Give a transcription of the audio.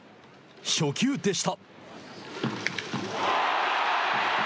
初球でした。